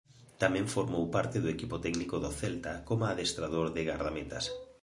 Tamén formou parte do equipo técnico do Celta coma adestrador de gardametas.